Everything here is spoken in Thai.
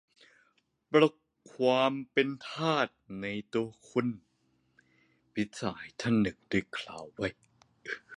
"ปลุกความเป็นทาสในตัวคุณ" - มิตรสหายท่านหนึ่ง